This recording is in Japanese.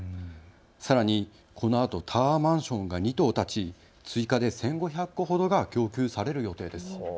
さらにこのあとタワーマンションが２棟建ち、追加で１５００戸ほどが供給される予定です。